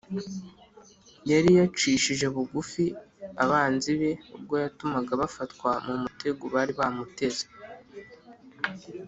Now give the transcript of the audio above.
yari yacishije bugufi abanzi be ubwo yatumaga bafatwa mu mutego bari bamuteze